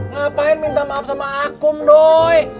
ngapain minta maaf sama akum dong